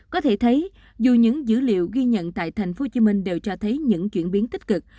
có thể thấy dù những dữ liệu ghi nhận tại tp hcm đều cho thấy những chuyển biến tích cực